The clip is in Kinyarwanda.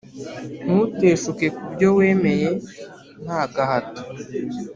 Ntuteshuke kubyo wemeye ntagahato